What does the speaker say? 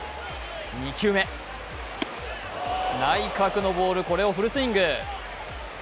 ２球目、内角のボール、これをフルスイング。